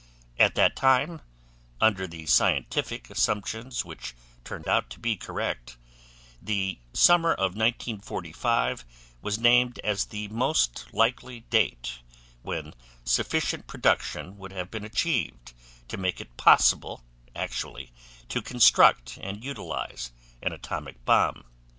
At that time, under the scientific assumptions which turned out to be correct, the summer of 1945 was named as the most likely date when sufficient production would have been achieved to make it possible actually to construct and utilize an atomic bomb.